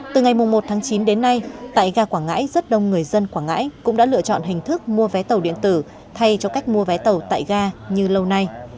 từ ngày một tháng chín đến nay tại ga quảng ngãi rất đông người dân quảng ngãi cũng đã lựa chọn hình thức mua vé tàu điện tử thay cho cách mua vé tàu tại ga như lâu nay